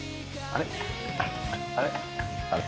あれ？